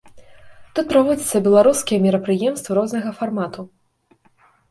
Тут праводзяцца беларускія мерапрыемствы рознага фармату.